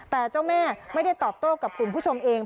แต่เจ้าแม่ไม่ได้ตอบโต้กับคุณผู้ชมเอง